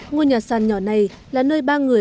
ngôi nhà sàn nhỏ này là nơi ba người